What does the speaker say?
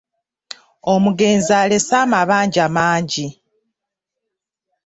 Omugenzi alese amabanja mangi.